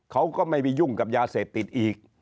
เขาก็ไม่ไปยุ่งกับยาเสพติดอีก